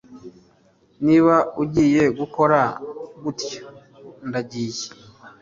Niba ugiye gukora gutya ndagiye